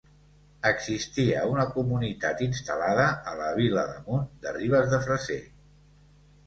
Existia una comunitat instal·lada a la Vila d'Amunt de Ribes de Freser.